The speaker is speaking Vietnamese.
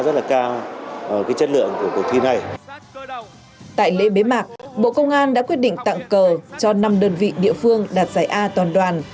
tại lễ bế mạc bộ công an đã quyết định tặng cờ cho năm đơn vị địa phương đạt giải a toàn đoàn